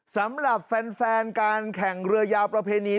สำหรับแฟนการแข่งเรือยาวประเพณี